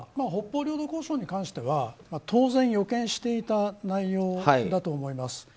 北方領土交渉に関しては当然予見していた内容だと思います。